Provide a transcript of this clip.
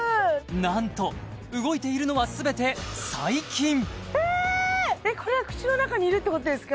なんと動いているのは全て細菌えっこれが口の中にいるってことですか？